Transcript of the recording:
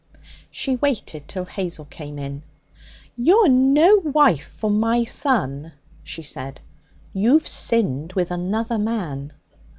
She waited till Hazel came in. 'You're no wife for my son,' she said, 'you've sinned with another man.'